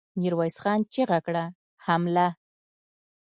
ميرويس خان چيغه کړه! حمله!